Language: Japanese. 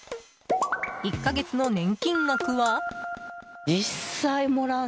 １か月の年金額は？